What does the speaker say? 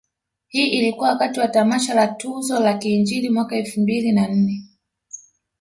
Hii ilikuwa wakati wa tamasha la tuzo za kiinjili mwaka elfu mbili na nne